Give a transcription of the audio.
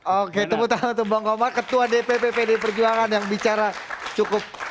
oke tepuk tangan untuk bang komar ketua dpp pd perjuangan yang bicara cukup